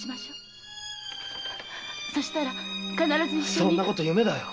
そんな事夢だよ。